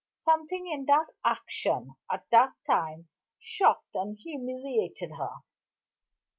Something in that action, at that time, shocked and humiliated her.